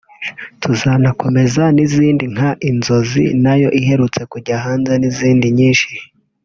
tuzanakomeza n'izindi nka Inzozi nayo iherutse kujya hanze n'izindi nyinshi